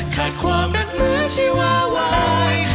ขาดความรักเหมือนชีวาวาย